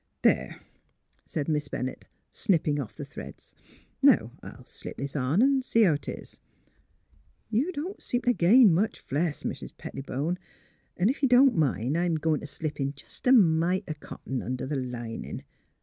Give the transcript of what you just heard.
" There! " said Miss Bennett, snapping off the threads. *' Now I'll slip this on an' see how 'tis. ... You don 't seem t ' gain much flesh. Mis ' Pet tibone, 'n' ef you don't mind I'm goin' V slip in jest a mite o' cotton under the linin'. .